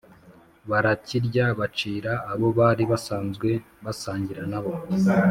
barakirya, bacira abo bari basanzwe basangira na bo,